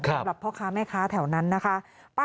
สำหรับพ่อค้าแม่ค้าแถวนั้นนะคะ